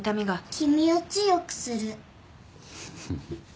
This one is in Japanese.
「君を強くする」